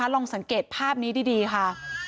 ลองสังเกตภาพนี้ดีค่ะ